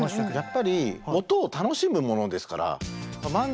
やっぱり音を楽しむものですから。